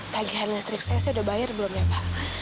tagihan listrik saya sih udah bayar belum ya pak